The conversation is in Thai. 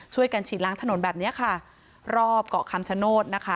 ช่วยกันฉีดล้างถนนแบบเนี้ยค่ะรอบเกาะคำชโนธนะคะ